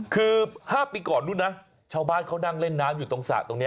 คือ๕ปีก่อนนู้นนะชาวบ้านเขานั่งเล่นน้ำอยู่ตรงสระตรงนี้